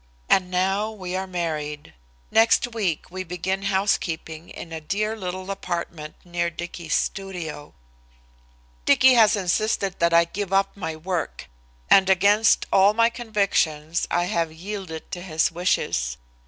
And now we are married! Next week we begin housekeeping in a dear little apartment near Dicky's studio. Dicky has insisted that I give up my work, and against all my convictions I have yielded to his wishes.